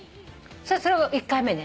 それは１回目ね。